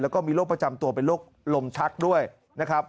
แล้วก็มีโรคประจำตัวเป็นโรคลมชักด้วยนะครับ